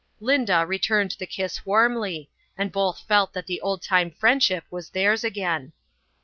Linda returned the kiss warmly, and both felt that the old time friendship was theirs again.